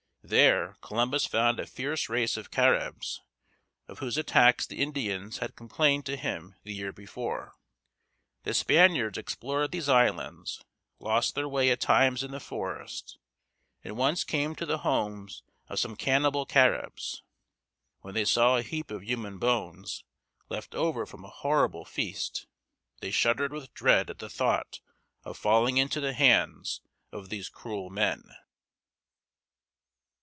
There Columbus found a fierce race of Căr´ibs, of whose attacks the Indians had complained to him the year before. The Spaniards explored these islands, lost their way at times in the forest, and once came to the homes of some cannibal Caribs. When they saw a heap of human bones, left over from a horrible feast, they shuddered with dread at the thought of falling into the hands of these cruel men.